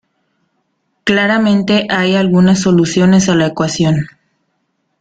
Claramente "hay" algunas soluciones a la ecuación.